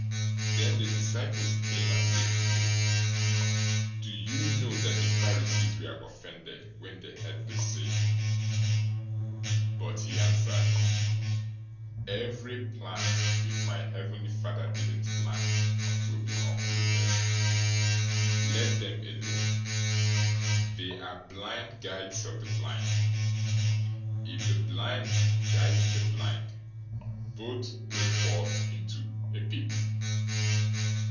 015:012 Then the disciples came, and said to him, "Do you know that the Pharisees were offended, when they heard this saying?" 015:013 But he answered, "Every plant which my heavenly Father didn't plant will be uprooted. 015:014 Leave them alone. They are blind guides of the blind. If the blind guide the blind, both will fall into a pit."